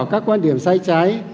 các quan điểm sai trái